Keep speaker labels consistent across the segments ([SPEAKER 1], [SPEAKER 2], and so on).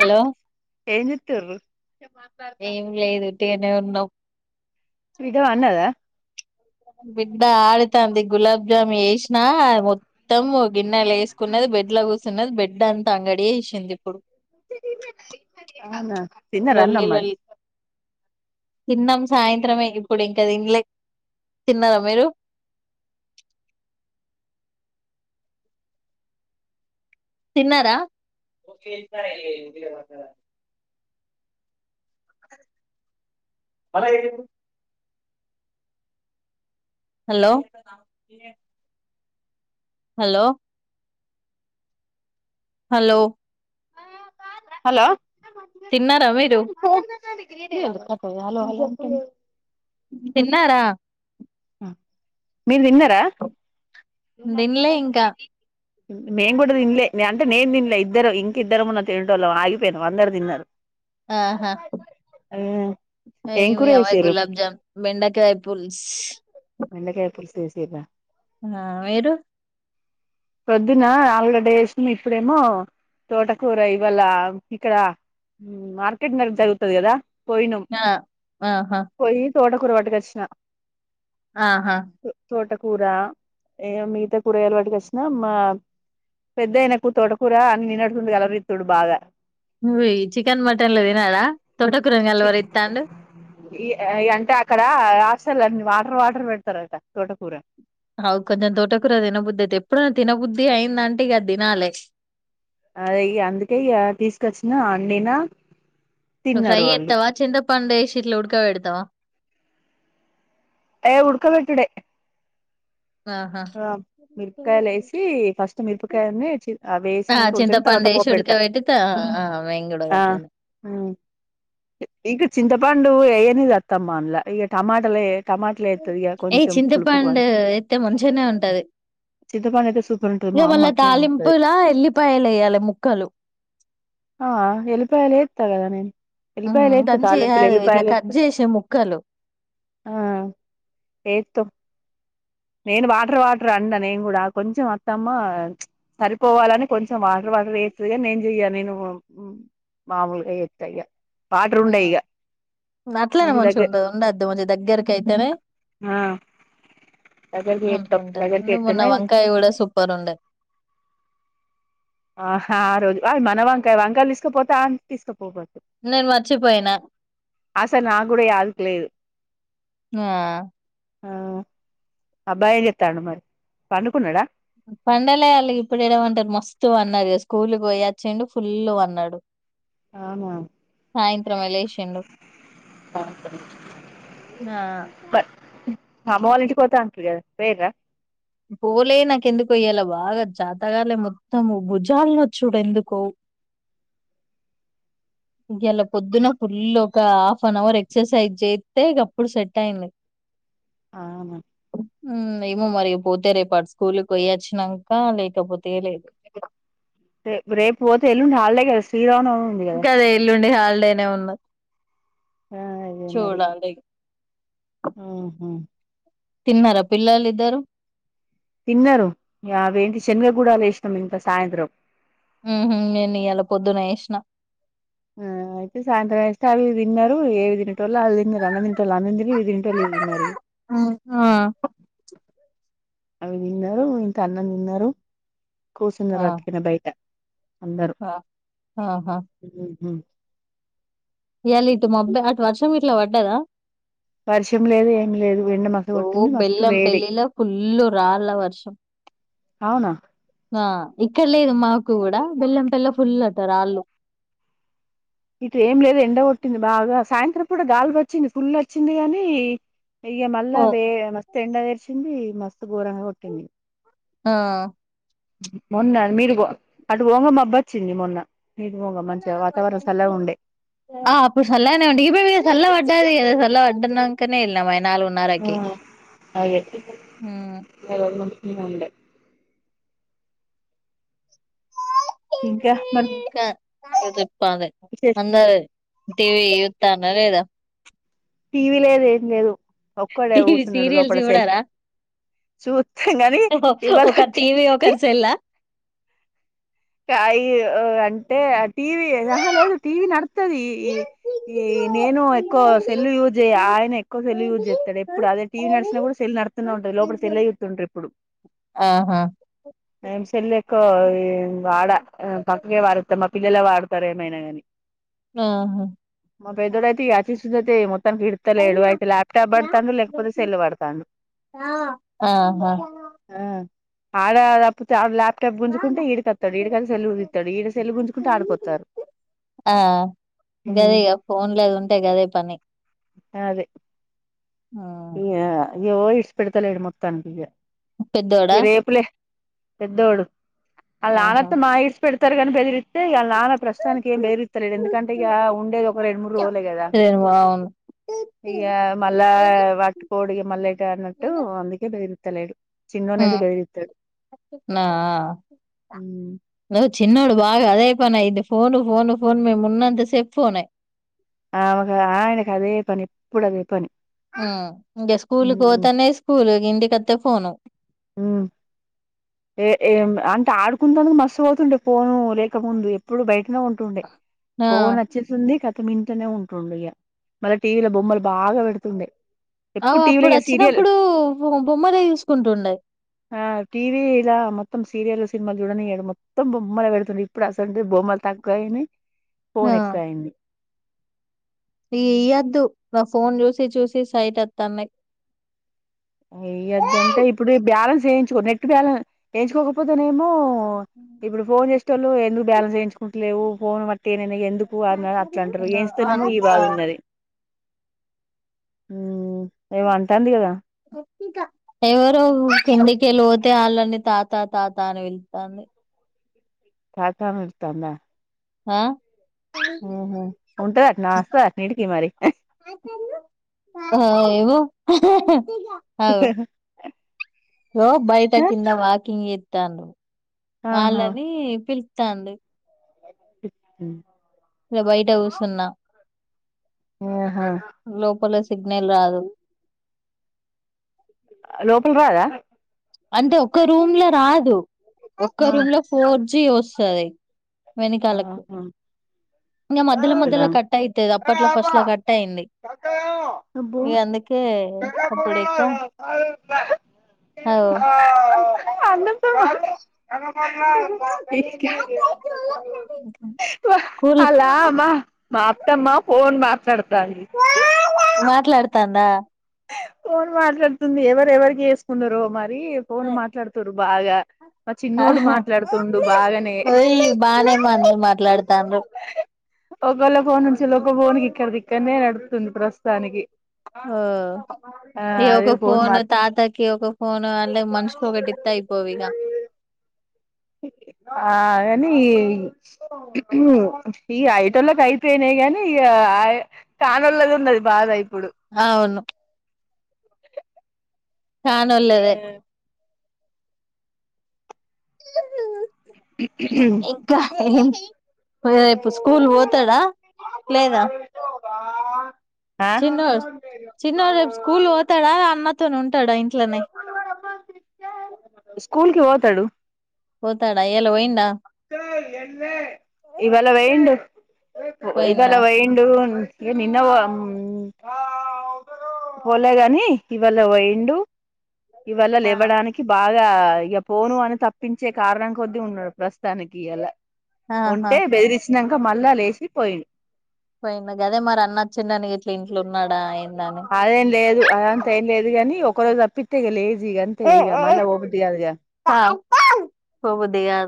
[SPEAKER 1] Hello
[SPEAKER 2] ఏం చేతుర్రు
[SPEAKER 1] ఏం లేదు ఉట్టిగానే ఉన్నాం
[SPEAKER 2] ఇద వన్నదా
[SPEAKER 1] బిడ్డ ఆడతంది గులాబ్జామున్ వేసినా మత్తము గిన్నెలో వేసుకున్నది బెడ్ కూర్చన్నది బెడ్ గడ్డంతా అంగడ ఏసింది ఇప్పుడు
[SPEAKER 2] అవునా తిన్నార అన్నం
[SPEAKER 1] లొల్లి
[SPEAKER 2] మరి
[SPEAKER 1] లొల్లి తిన్నాం సాయంత్రమే ఇప్పుడు ఇంక తిన్లే తిన్నరా మీరు తిన్నారా అలా హలో హలో హలో
[SPEAKER 2] హలో
[SPEAKER 1] తిన్నారా మీరు
[SPEAKER 2] ల
[SPEAKER 1] తిన్నారా
[SPEAKER 2] మీరు తిన్నారా
[SPEAKER 1] తినలే ఇంకా
[SPEAKER 2] మేము కూడా తిన్లే అంటే నేను తిన్లే ఇద్దర ఇంక ఇద్దరమున్న తినే వాళ్ళ ఆగిపోయినాం అందరు తిన్నారు ఏం కూర
[SPEAKER 1] ఆహావి అవ
[SPEAKER 2] చేసిర్రు
[SPEAKER 1] గులాబ్జాం బెండకాయ పుల్స్
[SPEAKER 2] బెండకాయ పులిస వేసేద
[SPEAKER 1] ఆ మీరు
[SPEAKER 2] పొద్దున ఆలుగడ్డస్ ఇప్పుడేమో తోటకూర ఇవాళ ఇక్కడ మార్కెట్ మరకు జరుగుతుది కదా
[SPEAKER 1] ఆ ఆహా
[SPEAKER 2] తోట కురవాటుక వచ్చిన
[SPEAKER 1] ఆహా
[SPEAKER 2] కూర ఏ మిగతా కూర ఎలవాటుక వచ్చినా మా పెద్దయిన కూ తోట కూర అని నిన్నడుతుంది కలవ ఇత్తుడు బాగా
[SPEAKER 1] నువ్ చికెన్ మటన్లు తినడా తోట కూరంగలవరిస్తాండి
[SPEAKER 2] అంటే అక్కడ ఆసలున్న మా వాటర్ పెడతార అయి తోట కూర
[SPEAKER 1] అవు కొంచెం తోట కూర తినబుద్ధి అయితే ఎప్పుడునా తినబుద్ధి అయిందంటే ఇక తినాలి
[SPEAKER 2] అదే అందుకే ఇ తీసుకొచ్చిన అండినా
[SPEAKER 1] ఫ్రై
[SPEAKER 2] తిన్నారు వాళ్ళు
[SPEAKER 1] ఏత్తవా చింత పండేషి ఇట్ల ఉడకపెడా త్తవ
[SPEAKER 2] ఏ ఉడక పెట్టడే
[SPEAKER 1] ఆహా
[SPEAKER 2] ఆహ్ మిరపకాయలు వేసి ఫస్ట్ మిరపకాయని అవి
[SPEAKER 1] ఆ
[SPEAKER 2] వేసినాక ఉడుకని
[SPEAKER 1] చింతపండు
[SPEAKER 2] తర్వాత
[SPEAKER 1] వేసి
[SPEAKER 2] పోపు పెడతా
[SPEAKER 1] ఉడకబెట్టి త ఆ మేము కూడా
[SPEAKER 2] ఆహ్
[SPEAKER 1] అట్లనే
[SPEAKER 2] ఇ చింతపండు వెయనిదు అత్తమ్మ అందులా ఇక టమాటలు వేత్తది ఇక
[SPEAKER 1] ఏ
[SPEAKER 2] కొంచెం పులుపు
[SPEAKER 1] చింతపాండ ఎత్తే మంచి మంచినే ఉంటది
[SPEAKER 2] చింతపండు అయితే సూపర్ ఉంటది
[SPEAKER 1] ఇక
[SPEAKER 2] మా
[SPEAKER 1] మళ్ళా
[SPEAKER 2] అమ్మ అట్నే వండుతది
[SPEAKER 1] తాలింపులా ఎల్లిపాయలు వయాలి ముక్కలు
[SPEAKER 2] [unintelligible] నే ఎల్లిపాయలు ఎతు
[SPEAKER 1] దంచి
[SPEAKER 2] తాలింపులు
[SPEAKER 1] కాదు ఇట్లా
[SPEAKER 2] ఎలిపాయలు
[SPEAKER 1] కట్
[SPEAKER 2] ఏతు
[SPEAKER 1] చేసే ముక్కలు
[SPEAKER 2] ఆహ్ ఎతు నేను వాటర్ వాటర్ అండ నేను కూడా కొంచెం అత్తమ్మ సరిపోవాలని కొంచెం వాటర్ వాటర్ వేస్తుగా నేను య నేను మామూలుగా ఎయ్య
[SPEAKER 1] ఊ అట్లనే మంచి ఉండ ఉండద్ మంచి దగ్గరకి అయితేనే
[SPEAKER 2] ఆ దగ్గరికి
[SPEAKER 1] ఉ
[SPEAKER 2] ఏత్తం
[SPEAKER 1] ఉంటది
[SPEAKER 2] దగ్గరికి
[SPEAKER 1] అందు మన్న
[SPEAKER 2] ఏత్తనే
[SPEAKER 1] వంకాయ కూడా సూపర్ ఉండ
[SPEAKER 2] ఆహా ఆహ్ రోజు అ మన వంకాయ వంకాయలు తీసుకపోతే తీసుకపోవద్దు
[SPEAKER 1] నేను మర్చిపోయినా
[SPEAKER 2] ఆసాల్ నాగ్ కూడా యాదుకి లేదు
[SPEAKER 1] ఆ
[SPEAKER 2] ఆహ్ అబ్బాయి చెస్తాను మరి పండుకున్నాడా
[SPEAKER 1] పండలే వాళ్ళకి ఇప్పుడు ఎడపంటరు మస్తు అన్నారు స్కూల్కి పోయచ్చుడు ఫుల్ పన్నాడు
[SPEAKER 2] అవునా
[SPEAKER 1] సాయంత్రం లేచి
[SPEAKER 2] పండుకున్నడు.
[SPEAKER 1] ఆహ్
[SPEAKER 2] అమ్మ వల్ల ఇంటికి పోత అంటిరి కదా పోయిందిరా
[SPEAKER 1] పోలే నాక ఎందుకో ఇయాలా బాగా చేతగాలే మొత్తము భుజాలను వచ్చడు ఎందుకో ఇ ఇలా పొద్దున ఫుల్ ఒక హాఫ్ అన్ అవర్ ఎక్సర్సైజ్ చేస్తే ఇక అప్పుడు సెట్ అయింది.
[SPEAKER 2] అవునా
[SPEAKER 1] ఉమ్ ఏమో మరి పోతే రేపు అటు స్కూల్కి పోయొచ్చాక లేకపోతే లేదు
[SPEAKER 2] రే రేపు పోతే ఎల్లుండి హాలిడే కదా శ్రీరామ నవమి
[SPEAKER 1] ఇకాదే ఇల్లుండి హాళ డే ఉన్న
[SPEAKER 2] ఆ అదే మరి
[SPEAKER 1] చూడాలీ
[SPEAKER 2] ఆహా
[SPEAKER 1] తిన్నారా పిల్లలు ఇద్దరు
[SPEAKER 2] తిన్నరు ఇగ అవెంటి శనగగూడలు వేసినాం ఇంక సాయంత్రం
[SPEAKER 1] ఉహు నేను ఇయాలా పొద్దున ఏష్ణ
[SPEAKER 2] ఆ అయితే సాయంత్రం ఏస్తే అవి తిన్నారు ఏవి తినటోళ్ళు అవి తిన్నరు అన్నం తినటోళ్ళ అన్నం తిని దింటలేద్ వినరి
[SPEAKER 1] ఆ
[SPEAKER 2] అవి నిన్నారు ఇంత అన్న నిన్నారు కూసున్న రా
[SPEAKER 1] ఆ
[SPEAKER 2] అతికిన బయట అందరూ
[SPEAKER 1] ఆహా
[SPEAKER 2] ఉహు
[SPEAKER 1] ఇయాలిటు మబ్బు అటు వర్షం గిట్ల వడ్డదా
[SPEAKER 2] వర్షం లేదు ఏం లేదు ఎండ మస
[SPEAKER 1] ఓ
[SPEAKER 2] కొట్టింది మస్తు
[SPEAKER 1] బెల్లం
[SPEAKER 2] వేడి
[SPEAKER 1] పెళ్లిలో ఫుల్లు రాళ్ళ వర్షం
[SPEAKER 2] అవునా
[SPEAKER 1] ఆ ఇక్కడ లేదు మాకు కూడా బెల్లం పెల్ల ఫుల్ అట రాళ్ళు
[SPEAKER 2] ఇటు ఏం లేదు ఎండ కొట్టింది బాగా సాయంత్రం పూట గాల్పోచ్చింది ఫుల్ వచ్చింది గానీ ఇయ మల్ళ
[SPEAKER 1] ఓ,
[SPEAKER 2] వే మస్త్ ఎండ వేర్స్ చ్చింది మస్తు ఘోరంగా కొట్టింది
[SPEAKER 1] ఆ
[SPEAKER 2] మొన్న మీరు అటు గోంగ మబ్బ వచ్చింది మొన్న మీరు పోంగ మంచిగా వాతావరణం చల్లగా ఉండే
[SPEAKER 1] ఆ ఆప్పు సల్లనే ఉండే ఈ రోజు ఇగ సల వడ్ డ్డదిగదా సల వడ్డీనంక ఎల్ న మ
[SPEAKER 2] ఆ అదే ఇగ
[SPEAKER 1] మ్
[SPEAKER 2] రెండు ఉంచుకున్న వుండే ఇంకా మరి
[SPEAKER 1] అ [unintelligible] తందే అందదది ఇ టీ వి యూతండ్రా లేదా
[SPEAKER 2] టీవీ లేదు ఏం లేదు ఒక్కడే
[SPEAKER 1] టీవీ
[SPEAKER 2] కూసున్నడు
[SPEAKER 1] సీరియల్స్
[SPEAKER 2] లోపల సెల్ఫ్
[SPEAKER 1] చూడరా
[SPEAKER 2] చూతం కాని
[SPEAKER 1] ఒకరు
[SPEAKER 2] ఇవాలటికి
[SPEAKER 1] టీవీ ఒకరు సెల్లా
[SPEAKER 2] కాయు ఒ అంటే ఆ టీవీ అహ లేదు టీవీ నడుతది ఈ ఈ నేను ఎక్కువ సెల్ యూజ్ జేయ ఆయన ఎక్కువ సెల్ యూజ్ చేస్తాడు ఎప్పుడు అదే టీవీ నడిచినా కూడా సెల్ నడుత్ తనే ఉంటది లోపల సెల్లే యూతుంటరు ఇప్పుడు
[SPEAKER 1] ఆహా
[SPEAKER 2] ఏమ్స్ సెల్లెక్కో ఈ వాడ ఆ పక్కకే వారేత్త మా పిల్లలే వాడతారు ఏమైనా గాని
[SPEAKER 1] ఆహా
[SPEAKER 2] మా పెద్దోడుయితే ఈ అచీస్తుంది అయితే మొత్తానికి ఇడతలేడు అయితే ల్యాప్టాప్ పడుతాడు లేకపోతే సెల్ పడుతాను
[SPEAKER 1] ఆహా
[SPEAKER 2] ఆ ఆడ దపుతే ఆడ్ లాబ్ క గుంజుకుంటే ఈడ్ కత్ ఇడి కంచి సెల్లులు తీతడు ఇడ సెల్లు గుంజుకుంటే ఆడికొత్తర్రు
[SPEAKER 1] ఆ
[SPEAKER 2] హు
[SPEAKER 1] గదే ఇగ ఫోన్లు అది ఉంటే గదే పని
[SPEAKER 2] అదే
[SPEAKER 1] మ్మ్
[SPEAKER 2] ఇగ య్యో ఇ ఇషుపెడుతలేడు మొత్తానికి ఇగ ఇగ
[SPEAKER 1] పెద్దోడా
[SPEAKER 2] రేపులే పెద్దడు అల్ల
[SPEAKER 1] ఆహా
[SPEAKER 2] నానోతే మగ ఇడిషిపేడ్ త్తరుగాని బదిరి అంటే ఇగ వాళ్ల నాన్న ప్రస్తుతానికి ఏం బేదిరిస్తలేడు, ఎందుకంటే ఇక ఉండేది ఒక రెండు, మూడు రోజులే కదా
[SPEAKER 1] అవును
[SPEAKER 2] ఇగ మళ్ళా వాట్టి కోడి ఇగ మళ్లెట అన్నట్టు అందుకే పేరు ఇత్తలేడు.
[SPEAKER 1] ఉ ఆ న
[SPEAKER 2] ఉమ్
[SPEAKER 1] ఆ హ చిన్నొడు బాగా అదే పనైంది ఫోను ఫోను ఫోన్ మేము ఉన్నంతసేపు ఫోనే.
[SPEAKER 2] ఆమెక ఆయనకు అదే పని ఎప్పుడు అదే పని.
[SPEAKER 1] ఆ ఇంగ స్కూల్కి
[SPEAKER 2] ఉమ్
[SPEAKER 1] పోతనే స్కూల్ ఇంటి అత్తే ఫోను
[SPEAKER 2] ఉ. ఏ ఏం అంటే ఆడుకుంటందుకు మస్తు పోతుండే ఫోను లేకముందు ఎప్పుడు బయట్ ట్నే ఉంటుండే
[SPEAKER 1] ఆ
[SPEAKER 2] ఫోన్ వచ్చినసుంది క తం ఇంట్లనే ఉంటుండు ఇగ మళ్ళ టీవీల బొమ్మలు బాగా పెడుతుండే.
[SPEAKER 1] అవు
[SPEAKER 2] ఎప్పుడు టీవీలో
[SPEAKER 1] అప్పుడు
[SPEAKER 2] ఇగ సీరియల్
[SPEAKER 1] వచ్చినప్పుడు బో బొమ్మలే తీసుకుంటుండే.
[SPEAKER 2] ఆ టీవీ లా మొత్తం సీరియల్ సినిమాలు చూడనియరు. మొత్తం బొమ్మలు పెడుతుర్రు ఇప్పుడు అసొంటిది బొమ్మలు తక్కువయినయి
[SPEAKER 1] ఆ
[SPEAKER 2] ఫోన్ ఎక్కువ అయ్యింది.
[SPEAKER 1] ఈ ఇయ్యొద్దు నా ఫోన్ చూసి చూసి సైట్ వత్తన్నాయి.
[SPEAKER 2] ఇయ్యదంటే ఇప్పుడు ఈ బ్యాలెన్స్ వేయించుకో నెట్ బ్యాలెన్ వేయించుకోకపోతేనే మొ మో ఇప్పుడు ఫోన్ చేసేటోళ్ళు ఎందుకు బ్యాలన్స్ వేయించు లేవు ఫోన్ పట్ తేనైనే ఎందుకు అని అట్లా అంటారు ఏంస్తన్నామో ఈ బాధ ఉన్నది. ఉ ఏమో అంటంది. కదా
[SPEAKER 1] ఇంకా ఎవరో కిందికెళ్ళి పోతే వాళ్ళని తాత, తాత అని పిల్తాండు
[SPEAKER 2] తాతా అని పిలుత్తాదా.
[SPEAKER 1] ఆ
[SPEAKER 2] మ్ హు ఉంటదట్నా వస్తదట్నా ఇడికిమరి.
[SPEAKER 1] ఆ ఏమొ అగో లో బయట కింద వాకింగ్ చే తాండు వాళ్ళని పిలుస్ త్తాండి.
[SPEAKER 2] ఉహు
[SPEAKER 1] ఈడ బయట కూర్చున్న
[SPEAKER 2] ఆహా
[SPEAKER 1] లోపల సి సిగ్నల్ రాదు.
[SPEAKER 2] లోపల రాదా
[SPEAKER 1] అంటే ఒక్క రూమ్ లరాదు ఒక్క
[SPEAKER 2] ఆ
[SPEAKER 1] రూమ్ ల ఫోన్ ఇచ్చి వస్తది.
[SPEAKER 2] ఆహా
[SPEAKER 1] వెనకాలకు ఇంక మధ్యలో
[SPEAKER 2] అవునా
[SPEAKER 1] మధ్యలో కట్ అయితుది అప్పట్లో ఫస్ట్ లో కట్ అయింది.
[SPEAKER 2] అబ్బో
[SPEAKER 1] ఇగ అందుకే అప్పుడికా ఓ
[SPEAKER 2] అన్నంత
[SPEAKER 1] కూల్
[SPEAKER 2] అలా మ్మా మా అత్తమ్మా పో ఫోన్ మాట్లాడ డానికి
[SPEAKER 1] మాట్లాడుతాందా
[SPEAKER 2] ఫోన్ మాట్లాడుతుంది ఎవరు ఎవరికి చేసుకున్నరో మరీ రీ ఫోన్ మాట్లాడుతురు. బాగా మా చిన్నోడు
[SPEAKER 1] ఆహా
[SPEAKER 2] మాట్లాడుతుండు బాగానే
[SPEAKER 1] ఓయి బానే మాట్లు మాట్లాడుతాండ్రు
[SPEAKER 2] ఒకళ్ళ ఫోన్ నుంచి ఒక ఫోన్కి ఇక్కడిది ఇక్కడనే నడుపుతుంది ప్రస్తుతానికి ఆ
[SPEAKER 1] ఇగ ఒక
[SPEAKER 2] అదే ఫోన్ మా
[SPEAKER 1] ఫోను తాతకి ఒక ఫోను అల్లె మనుషకి ఒకటి ఇత్తా అయిపొవిగా
[SPEAKER 2] ఆగాని ఈ ఐటోళ్ళకి అయిపోయినాయి గాని ఇగ కానోళ్ళది ఉన్నది బాధ అయిది
[SPEAKER 1] ఆవును కానోళ్లదే ఉ హు ఇంకా ఏం పొయ్యే రేపు స్కూల్ పోతాడా లేదా
[SPEAKER 2] ఆ
[SPEAKER 1] చిన్నో చిన్నో రేపు స్కూల్ పోతాడా అమ్ తాను ఉంటాడ ఇంట్లోనే
[SPEAKER 2] స్కూల్ కి పోతాడు
[SPEAKER 1] పోతాడా ఇయ్యాల పోయిడా
[SPEAKER 2] ఇవాళ పోయిండు ఇవాళ
[SPEAKER 1] పోయిండా
[SPEAKER 2] పోయిండు ఇగ నిన్న పోలేగాని ఇవాళ పొయిండు ఇవాల్ళ
[SPEAKER 1] ఆ
[SPEAKER 2] లేవ్వడానికి బాగా ఇక పోను అని తప్పించే కారణం కొద్దీ ఉన్నాడు ప్రస్తుతానికి ఇయాల
[SPEAKER 1] ఆహా
[SPEAKER 2] ఉంటే బేదిరి ఇక మళ్ళ లేసి పోయిడు
[SPEAKER 1] పోయినా కదే మరి అన్న వచ్చిందని ఇట్లా ఇంట్లో ఉన్నాడా ఏంద అని
[SPEAKER 2] అదేం లేదు అదంతా ఏం లేదు కాని ఒక తప్పితే ఇగ లే గా అంతే ఇగా మళ్ళ ఒకటి కాదుగా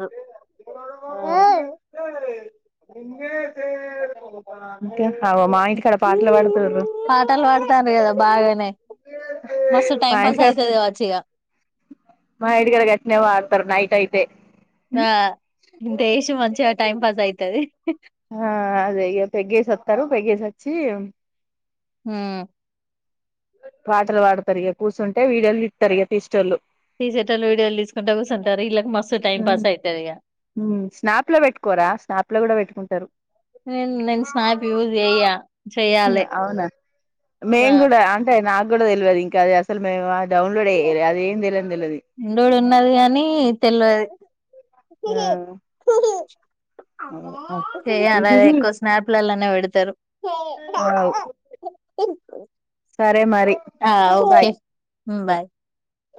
[SPEAKER 1] ధు ఉమ్
[SPEAKER 2] ఇంకా
[SPEAKER 1] పాటలు పాడతాను కదా బాగానే మస్తు టైం
[SPEAKER 2] మా
[SPEAKER 1] పాస్
[SPEAKER 2] ఇంటికాడ
[SPEAKER 1] అయితది కావచ్చు ఇగ
[SPEAKER 2] మా ఇంటికాడ కట్నే వాడతార నైట్ అయితే
[SPEAKER 1] ఆ దేశ మంచిగా టైమ్ పాస్ యితే తాది
[SPEAKER 2] ఆ అదే పెగేసి వస్తారు పెగేసి వచ్చి
[SPEAKER 1] ఉమ్
[SPEAKER 2] పాటలు పాడతారు ఇక కూర్చుంటే వీడియోలు తితారు ఇక తీస్టోళ్ళు
[SPEAKER 1] తీసేటలు వీడియోలు తీసుకుంటే కూర్చుంటారు ఇళ్ళకి మస్తు టైం పాస్ అవుతది ఇక
[SPEAKER 2] స్నాప్ లో పెట్టుకోరా స్నాప్ లో కూడా పెట్టుకుంటారు
[SPEAKER 1] నను నేను స్నాప్ యూజ చేయ్యా చెయాలి
[SPEAKER 2] అవునా మేము కూడా అంటే నాకు కూడా తెలివద ఇంకా అది అసలు మ
[SPEAKER 1] ఉండోడు ఉన్నాడు కాని తెలియదు
[SPEAKER 2] ఉమ్
[SPEAKER 1] హే ఏ అలాగ ఎక్కువ స్నాప్ లాలనే పెడతారు
[SPEAKER 2] సరే మరి
[SPEAKER 1] ఆ
[SPEAKER 2] బాయ్
[SPEAKER 1] ఓకే బాయ్